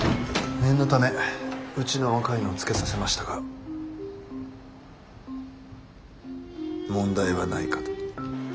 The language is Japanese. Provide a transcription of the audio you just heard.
念のためうちの若いのをつけさせましたが問題はないかと。